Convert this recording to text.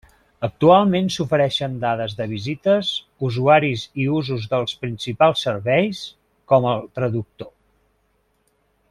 Actualment s'ofereixen dades de visites, usuaris i usos dels principals serveis, com el traductor.